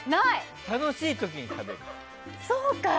楽しい時に食べる。